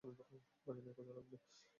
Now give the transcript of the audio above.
বাকিদের খুঁজা লাগবে।